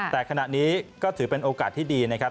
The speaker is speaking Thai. แต่ขณะนี้ก็ถือเป็นโอกาสที่ดีนะครับ